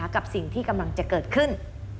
กับสิ่งที่กำลังจะเกิดขึ้น